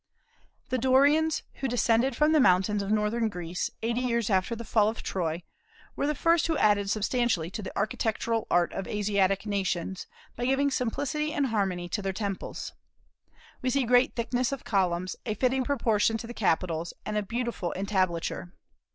The Dorians, who descended from the mountains of northern Greece, eighty years after the fall of Troy, were the first who added substantially to the architectural art of Asiatic nations, by giving simplicity and harmony to their temples. We see great thickness of columns, a fitting proportion to the capitals, and a beautiful entablature.